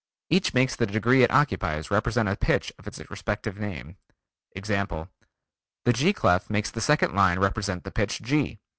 Each makes the degree it occupies represent a pitch of its respective name. Example: The G clef makes the second line represent the pitch G.